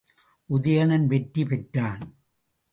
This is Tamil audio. உதயணன் வெற்றி பெற்றான்.